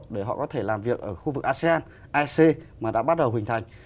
để họ có thể làm việc ở khu vực asean ac mà đã bắt đầu hình thành